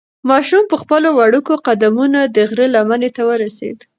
ماشوم په خپلو وړوکو قدمونو د غره لمنې ته ورسېد.